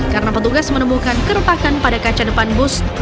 karena petugas menemukan keretakan pada kaca depan bus